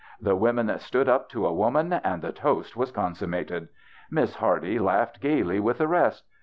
The women stood up to a woman, and the toast was consum mated. Miss Hardy laughed gayly with the rest.